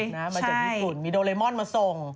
เป็นภาพก่อนมาจากญี่ปุ่นมีโดเรมอนมาทดสอบ